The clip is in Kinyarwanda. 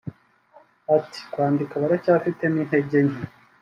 Ati “Kwandika baracyafitemo intege nke